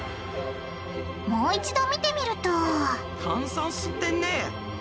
もう一度見てみると炭酸吸ってんね。